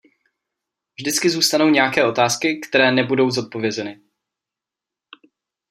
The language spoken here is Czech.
Vždycky zůstanou nějaké otázky, které nebudou zodpovězeny.